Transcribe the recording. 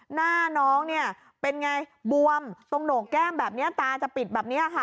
หน้าน้องเนี่ยเป็นไงบวมตรงโหนกแก้มแบบนี้ตาจะปิดแบบนี้ค่ะ